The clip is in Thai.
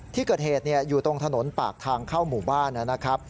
ที่เกิดเหตุอยู่ตรงถนนปากทางเข้าหมู่บ้านนะครับ